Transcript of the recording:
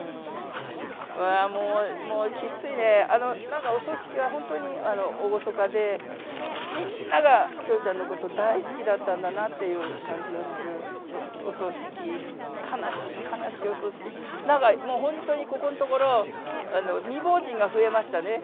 もうきつい、きついね、なんかお葬式は本当に厳かで、みんなが笑ちゃんのこと大好きだったんだなっていう感じのするお葬式、悲しい悲しいお葬式、なんかもう本当にここのところ未亡人が増えましたね。